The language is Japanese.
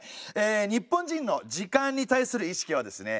え日本人の時間に対する意識はですね